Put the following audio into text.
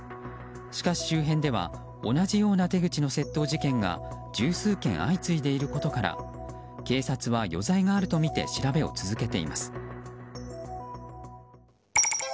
しかし、周辺では同じような手口の窃盗事件が十数件、相次いでいることから警察は余罪があるとみて調べを続けています。